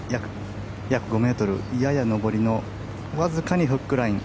約５ｍ、やや上りのわずかにフックライン。